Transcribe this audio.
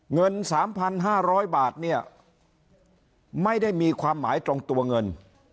เงิน๓๕๐๐บาทเนี่ยไม่ได้มีความหมายตรงตัวเงิน